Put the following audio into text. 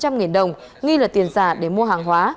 mệnh giá năm trăm linh đồng nghi là tiền giả để mua hàng hóa